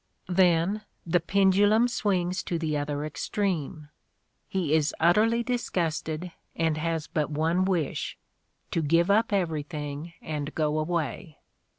Then the pendulum swings to the other extreme: he is utterly disgusted and has but ov^ wish, to give up everything and go away.